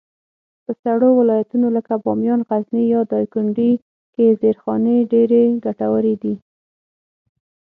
په سړو ولایتونو لکه بامیان، غزني، یا دایکنډي کي زېرخانې ډېرې ګټورې دي.